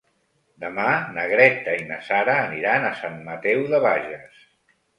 Demà na Greta i na Sara aniran a Sant Mateu de Bages.